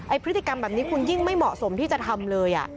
พฤติกรรมแบบนี้คุณยิ่งไม่เหมาะสมที่จะทำเลย